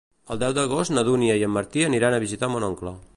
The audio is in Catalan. El deu d'agost na Dúnia i en Martí aniran a visitar mon oncle.